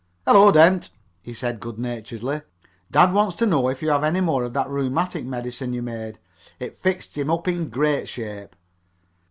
"Hello, Dent," he said good naturedly. "Dad wants to know if you have any more of that rheumatic medicine you made. It fixed him up in great shape."